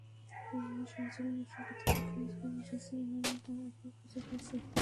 আমি সারাজীবন নশ্বর পৃথিবীর খোঁজ করে এসেছি আর তা এখন খুঁজে পেয়েছি।